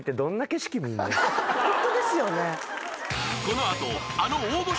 ホントですよね。